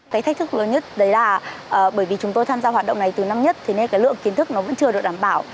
cái thách thức lớn nhất đấy là bởi vì chúng tôi tham gia hoạt động này từ năm nhất thế nên cái lượng kiến thức nó vẫn chưa được đảm bảo